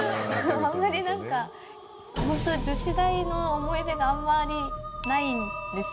あんまりなんかホント女子大の思い出があんまりないんですよね。